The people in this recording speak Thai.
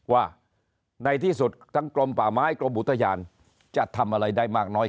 ว่าในที่สุดทั้งกรมป่าไม้กรมอุทยานจะทำอะไรได้มากน้อย